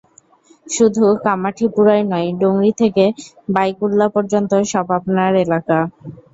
শুধু কামাঠিপুরাই নয়, ডংরি থেকে বাইকুল্লা পর্যন্ত সব আপানার এলাকা।